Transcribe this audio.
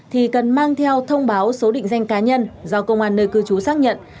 thì cần mang theo thông báo số định danh cá nhân do công an nơi cư trú xác nhận